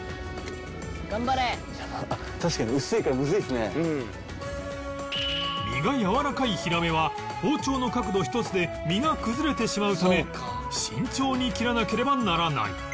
確かに身がやわらかいヒラメは包丁の角度一つで身が崩れてしまうため慎重に切らなければならない